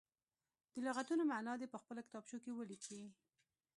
د لغتونو معنا دې په خپلو کتابچو کې ولیکي.